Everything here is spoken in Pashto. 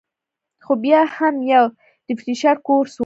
خو بيا هم يو ريفرېشر کورس وۀ -